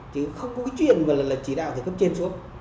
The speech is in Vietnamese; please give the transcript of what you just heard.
chứ không có cái chuyện mà là chỉ đạo từ cấp trên xuống